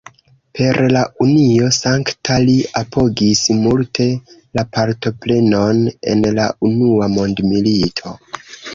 Per la "Unio Sankta", li apogis multe la partoprenon en la unua mondmilito.